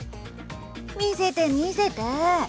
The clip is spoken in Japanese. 見せて見せて。